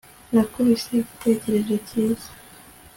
Nakubise igitekerezo cyiza